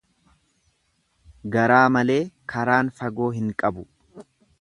Garaa malee karaan fagoo hin qabu.